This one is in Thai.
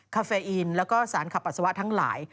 คาเฟอินแล้วก็สารขับปัสสาวะทั้งหลาย